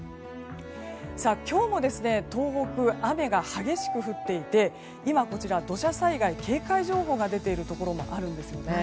今日も東北雨が激しく降っていて今、土砂災害警戒情報が出ているところもあるんですね。